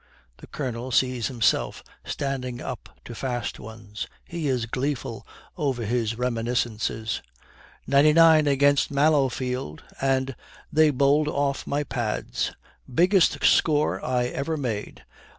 The Colonel sees himself standing up to fast ones. He is gleeful over his reminiscences. 'Ninety nine against Mallowfield, and then bowled off my pads. Biggest score I ever made.